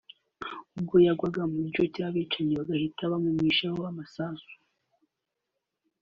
ubwo yagwaga mu gico cy’abicanyi bagahita bamumishaho amasasu